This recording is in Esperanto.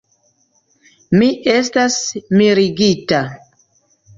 Mi estas mirigita.